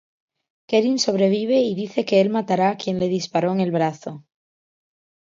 Kerim sobrevive y dice que el matará a quien le disparó en el brazo.